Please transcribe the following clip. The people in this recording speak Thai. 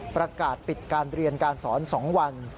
ประกาศปิดการเรียนการสอน๒วัน